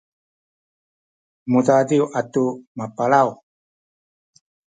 mudadiw atu mapalaw